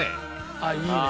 あっいいね！